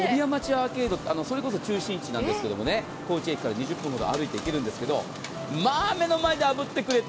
中心地なんですが高知駅から２０分ほど歩いていけるんですが目の前であぶってくれて。